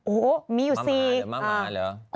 โอ้โหมีอยู่สิมาม่าเหรอมาม่าเหรอ